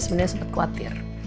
saya sempat khawatir